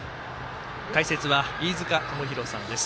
解説は飯塚智広さんです。